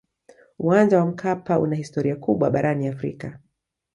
uwanja wa mkapa una historia kubwa barani afrika